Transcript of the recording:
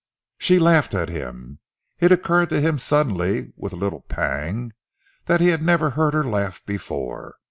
She laughed at him. It occurred to him suddenly, with a little pang, that he had never heard her laugh before.